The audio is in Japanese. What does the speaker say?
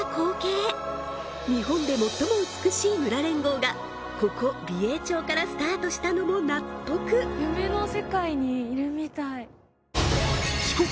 日本で最も美しい村連合がここ美瑛町からスタートしたのも納得夢の世界にいるみたい四国